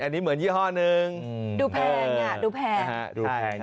อันนี้เหมือนยี่ห้นึงดูแพงเนี้ยอ่ะดูแพงอ่ะ